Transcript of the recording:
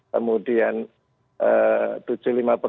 kemudian tujuh puluh lima persen